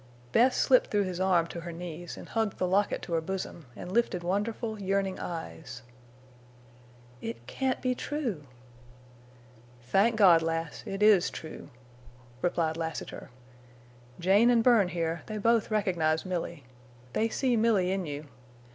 Bess slipped through his arm to her knees and hugged the locket to her bosom, and lifted wonderful, yearning eyes. "It—can't—be—true!" "Thank God, lass, it is true," replied Lassiter. "Jane an' Bern here—they both recognize Milly. They see Milly in you.